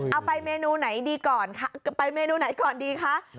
เอาไปเมนูไหนก่อนดี